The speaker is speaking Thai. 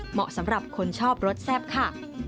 เหมาะสำหรับคนชอบรสแซ่บค่ะ